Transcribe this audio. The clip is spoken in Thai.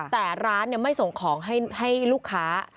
แต่ร้านไม่ส่งของให้ลูกค้า